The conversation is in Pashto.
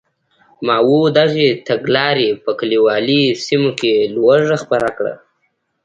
ماوو دغې تګلارې په کلیوالي سیمو کې لوږه خپره کړه.